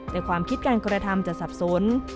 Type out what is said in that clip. แต่ความคิดการกระทำจะสับสน